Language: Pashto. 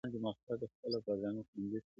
• د ډېوې دښمن به ړوند وي د کتاب غلیم زبون وي -